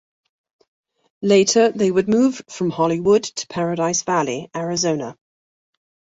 Later, they would move from Hollywood to Paradise Valley, Arizona.